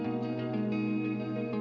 siang tak lama